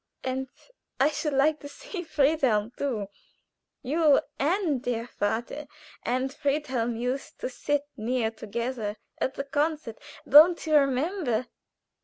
And I should like to see Friedhelm, too. You and der Vater and Friedel used to sit near together at the concert, don't you remember?